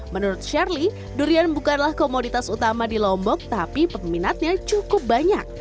menurut shirley durian bukanlah komoditas utama di lombok tapi peminatnya cukup banyak